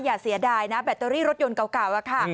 อย่าเสียดายนะแบตเตอรี่รถยนต์เก่าอะค่ะ